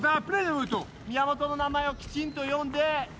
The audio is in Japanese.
宮本の名前をきちんと呼んで。